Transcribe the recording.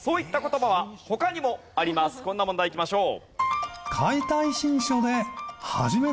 こんな問題いきましょう。